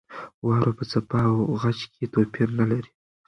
واوره په څپه او خج کې توپیر نه لري.